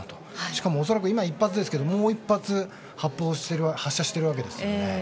しかも恐らく今のは１発ですけどもう１発発射してるわけですよね。